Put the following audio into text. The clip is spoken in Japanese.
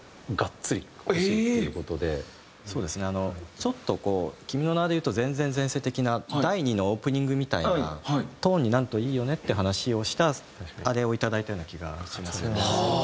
ちょっとこう『君の名は。』でいうと『前前前世』的な第二のオープニングみたいなトーンになるといいよねって話をしたらあれをいただいたような気がしますね。